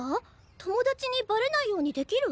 友達にバレないようにできる？